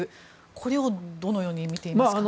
これをどのように見ていますか？